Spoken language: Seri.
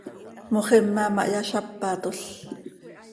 Moxima ma hyazápatol.